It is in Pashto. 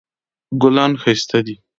ګلان ښایسته دي